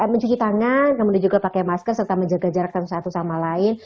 mencuci tangan kemudian juga pakai masker serta menjaga jarak satu sama lain